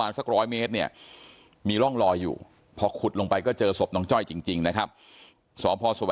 น้องจ้อยนั่งก้มหน้าไม่มีใครรู้ข่าวว่าน้องจ้อยเสียชีวิตไปแล้ว